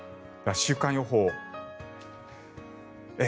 週間予報。